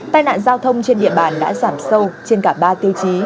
tai nạn giao thông trên địa bàn đã giảm sâu trên cả ba tiêu chí